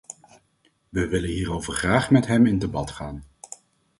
We willen hierover graag met hem in debat gaan.